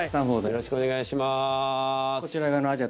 よろしくお願いします。